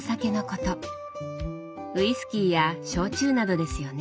ウイスキーや焼酎などですよね。